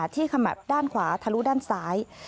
ขมับด้านขวาทะลุด้านซ้าย